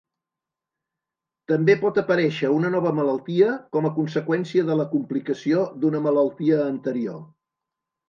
També pot aparèixer una nova malaltia com a conseqüència de la complicació d'una malaltia anterior.